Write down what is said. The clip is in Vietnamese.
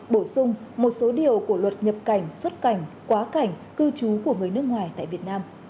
bổ sung một số điều của luật nhập cảnh xuất cảnh quá cảnh cư trú của người nước ngoài tại việt nam